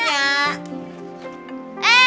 eh mas belunya